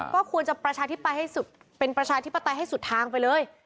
ก็ควรจะเป็นประชาธิบัติให้สุดทางไปเลย